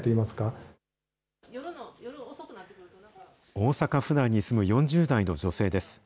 大阪府内に住む４０代の女性です。